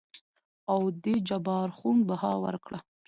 او دې جبار خون بها ورکړه.